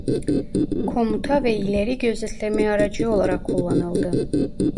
Komuta ve ileri gözetleme aracı olarak kullanıldı.